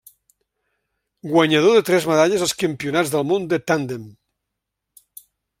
Guanyador de tres medalles als Campionats del món de tàndem.